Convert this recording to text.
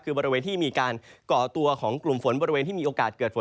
คือบริเวณที่มีการก่อตัวของกลุ่มฝนบริเวณที่มีโอกาสเกิดฝน